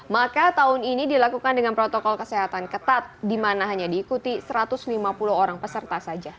maka tahun ini dilakukan dengan protokol kesehatan ketat di mana hanya diikuti satu ratus lima puluh orang peserta saja